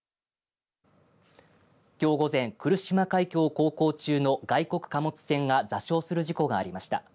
きょう午前、来島海峡を航行中の外国貨物船が座礁する事故がありました。